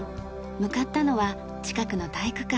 向かったのは近くの体育館。